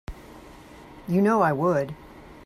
You know I would.